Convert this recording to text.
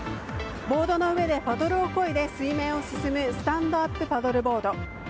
ボードの上でパドルをこいで水面を進むスタンドアップパドルボード。